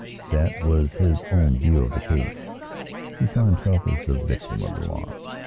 That was his own view of the case. He saw himself as the victim of the law.